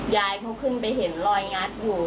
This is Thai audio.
ยายเขาขึ้นไปเห็นรอยงัดอยู่